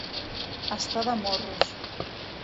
Estar de morros.